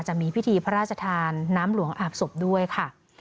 จะมีพิธีพระราชทานน้ำหลวงอาบศพด้วยค่ะ